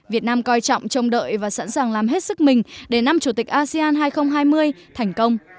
việt nam coi trọng trông đợi và sẵn sàng làm hết sức mình để năm chủ tịch asean hai nghìn hai mươi thành công